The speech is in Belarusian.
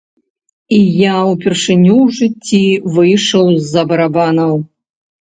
І я ўпершыню ў жыцці выйшаў з-за барабанаў!